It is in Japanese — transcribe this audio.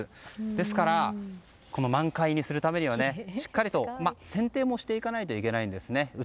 ですから、満開にするためにはしっかりと選定をしていかないといけないんです。